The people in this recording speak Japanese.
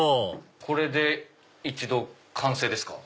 これで完成ですか？